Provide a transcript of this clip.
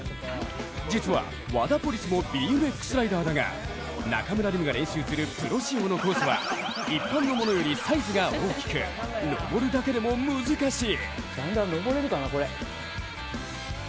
実はワダポリスもＢＭＸライダーだが中村輪夢が練習するプロ仕様のコースは一般のものよりサイズが大きく登るだけでも難しい。